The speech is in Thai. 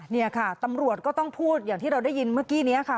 นี่ค่ะตำรวจก็ต้องพูดอย่างที่เราได้ยินเมื่อกี้นี้ค่ะ